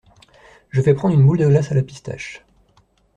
Je vais prendre une boule de glace à la pistache.